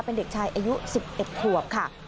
เป็นเด็กชายอายุ๑๑ขวบค่ะ